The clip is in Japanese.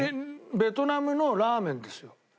ベトナムのラーメンですよ。